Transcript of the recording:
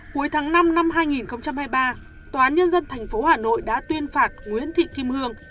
cuối tháng năm năm hai nghìn hai mươi ba tòa án nhân dân tp hà nội đã tuyên phạt nguyễn thị kim hương